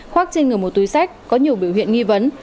khoác trên người một túi sách có nhiều biểu hiện nghi vấn